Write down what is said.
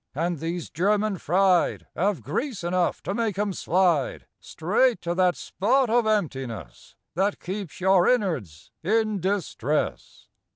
And these "German fried" 'Ave grease enough to make 'em slide Straight to that spot of emptiness That keeps your innards in distress!